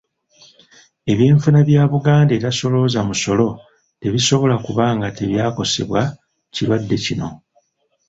Ebyenfuna bya Buganda etasolooza musolo tebisobola kuba nga tebyakosebwa kirwadde kino.